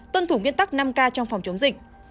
tuân thủ nguyên tắc năm k trong phòng chống dịch